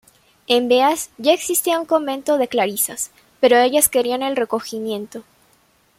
En Beas ya existía un Convento de Clarisas, pero ellas querían el recogimiento.